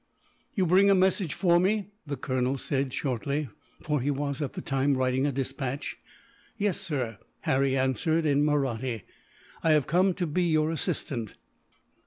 "You bring a message for me?" the colonel said, shortly; for he was, at the time, writing a despatch. "Yes, sir," Harry answered, in Mahratti. "I have come to be your assistant."